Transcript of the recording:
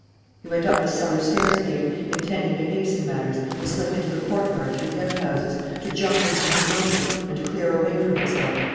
He went up the cellar stairs again, intending to hasten matters, to slip into the courtyard through the outhouses, to jump into his motor, and to clear a way for himself.